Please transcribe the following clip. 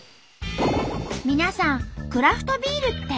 皆さんクラフトビールね。